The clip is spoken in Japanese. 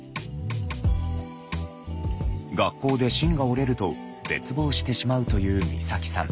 学校で芯が折れると絶望してしまうという光沙季さん。